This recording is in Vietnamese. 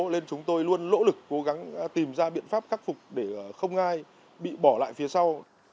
nên chúng tôi luôn lỗ lực cố gắng tìm ra biện pháp khắc phục để không ai bị bỏ lại phía sau